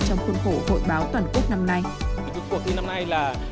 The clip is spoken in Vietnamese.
trong khuôn khổ hội báo toàn quốc năm nay